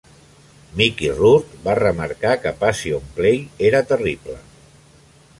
Mickey Rourke va remarcar que "Passion play" era terrible.